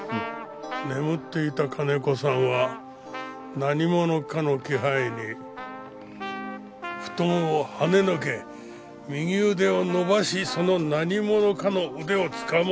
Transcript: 眠っていた金子さんは何者かの気配に布団をはねのけ右腕を伸ばしその何者かの腕をつかもうとする。